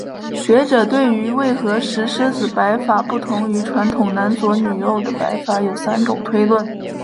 学者对于为何石狮子摆法不同于传统男左女右的摆法有三种推论。